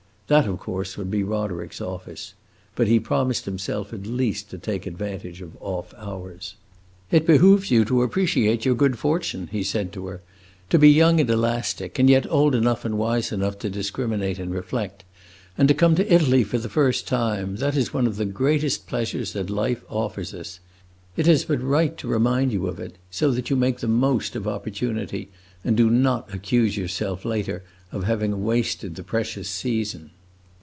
That, of course, would be Roderick's office. But he promised himself at least to take advantage of off hours. "It behooves you to appreciate your good fortune," he said to her. "To be young and elastic, and yet old enough and wise enough to discriminate and reflect, and to come to Italy for the first time that is one of the greatest pleasures that life offers us. It is but right to remind you of it, so that you make the most of opportunity and do not accuse yourself, later, of having wasted the precious season."